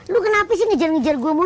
lu kenapa sih ngejar ngejar gua mulu